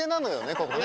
ここね。